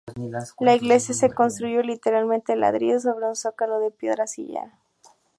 La iglesia se construyó enteramente de ladrillo sobre un zócalo de piedra sillar.